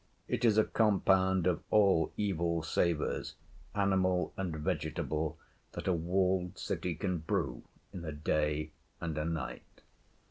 It is a compound of all evil savours, animal and vegetable, that a walled city can brew in a day and a night.